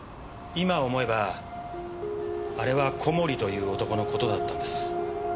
今思えばあれは小森という男の事だったんです。